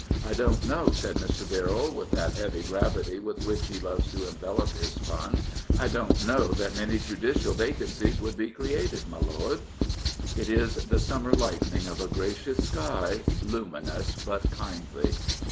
" I don't know," said Mr. Birrell, with that heavy gravity with which he loves to envelop his fun, 320 Augustine Birrell, K.C. —" I don^t know that many judicial vacancies would be created, my lord/' It is the summer lightning of a gracious sky — luminous but kindly.